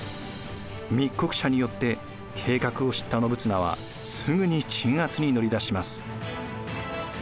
密告者によって計画を知った信綱はすぐに鎮圧に乗り出します。